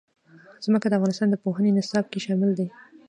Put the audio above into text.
ځمکه د افغانستان د پوهنې نصاب کې شامل دي.